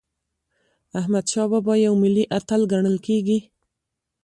احمدشاه بابا یو ملي اتل ګڼل کېږي.